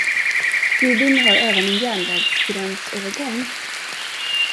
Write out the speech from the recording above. Gubin har även en järnvägsgränsövergång.